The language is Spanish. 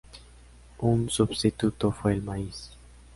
Un substituto fue el maíz.